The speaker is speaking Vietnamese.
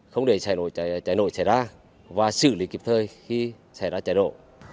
không để cháy nổ cháy ra và xử lý kịp thời khi cháy nổ